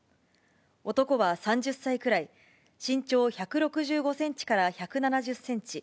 男は３０歳くらい、身長１６５センチから１７０センチ。